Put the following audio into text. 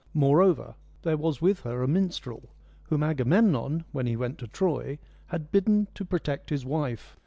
Moreover, there was with her a minstrel, whom Agamemnon, when he went to Troy, had bidden to protect his wife.